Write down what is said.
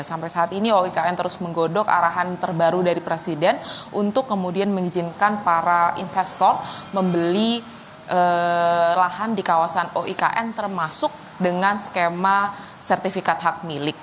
sampai saat ini oikn terus menggodok arahan terbaru dari presiden untuk kemudian mengizinkan para investor membeli lahan di kawasan oikn termasuk dengan skema sertifikat hak milik